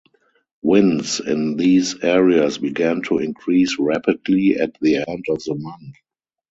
Winds in these areas began to increase rapidly at the end of the month.